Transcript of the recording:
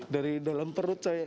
dari dalam perut saya